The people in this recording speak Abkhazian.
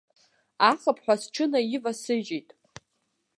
Ахыԥҳәа сҽынаивасыжьит.